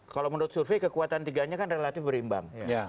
kalau menurut survei kekuatan tiga nya kan relatif berimbang